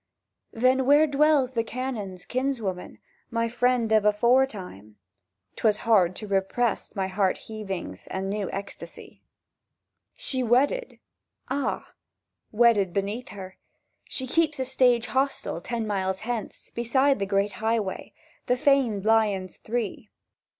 —"Then, where dwells the Canon's kinswoman, My friend of aforetime?"— ('Twas hard to repress my heart heavings And new ecstasy.) "She wedded."—"Ah!"—"Wedded beneath her— She keeps the stage hostel Ten miles hence, beside the great Highway— The famed Lions Three.